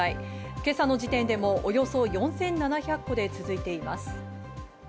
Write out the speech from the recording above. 今朝の時点でもおよそ４７００戸で続いています。